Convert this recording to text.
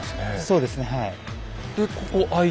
そうですねはい。